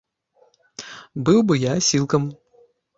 Быў бы я асілкам.